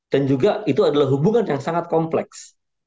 dan juga itu adalah hubungan yang sangat kompleks